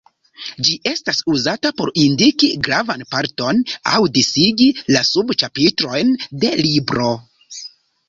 Ĝi estas uzata por indiki gravan parton aŭ disigi la sub-ĉapitrojn de libro.